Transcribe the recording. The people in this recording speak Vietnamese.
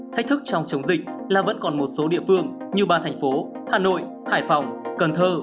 thách thức trong chống dịch là vẫn còn một số địa phương như ba thành phố hà nội hải phòng cần thơ